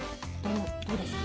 どうですか？